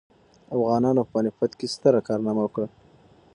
افغانانو په پاني پت کې ستره کارنامه وکړه.